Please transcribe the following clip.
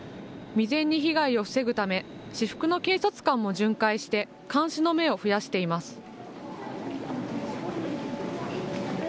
未然に被害を防ぐため、私服の警察官も巡回して監視の目を増やしています。